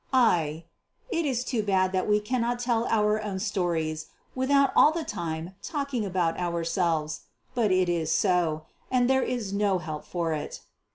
I it is too bad that we cannot tell our own stories without all the time talking about ourselves, but it is so, and there is no help for it.